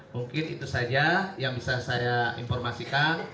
mungkin itu saja yang bisa saya informasikan